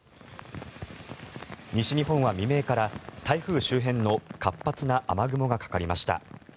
西日本は未明から台風周辺の活発な雨雲がかかりました。